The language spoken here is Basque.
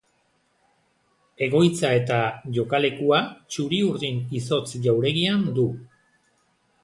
Egoitza eta jokalekua Txuri Urdin izotz jauregian du.